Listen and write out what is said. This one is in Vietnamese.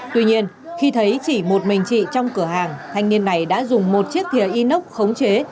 tuy nhiên khi thấy chỉ một mình chị trong cửa hàng thanh niên này đã dùng một chiếc thia inox khống chế